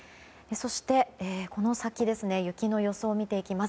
そして、この先雪の予想を見ていきます。